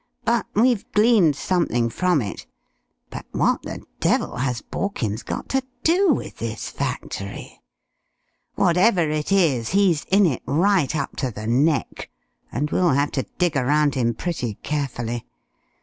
But we've gleaned something from it. But what the devil has Borkins got to do with this factory? What ever it is he's in it right up to the neck, and we'll have to dig around him pretty carefully.